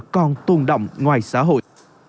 còn tồn động ngoài xã hội